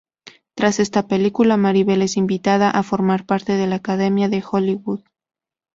Tras esta película, Maribel es invitada a formar parte de la Academia de Hollywood.